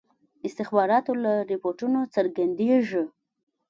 استخباراتو له رپوټونو څرګندیږي.